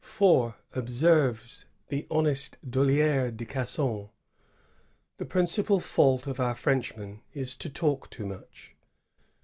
^* For, *' observes the honest DoUier de Casson, *^the principal fault of our Frenchmen is to talk too much."